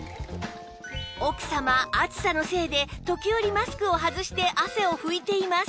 奥様暑さのせいで時折マスクを外して汗を拭いています